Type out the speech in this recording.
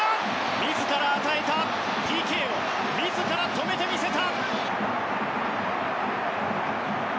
自ら与えたＰＫを自ら止めてみせた！